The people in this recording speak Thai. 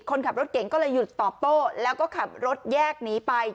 คนขับรถเก่งก็เลยหยุดตอบโต้แล้วก็ขับรถแยกหนีไป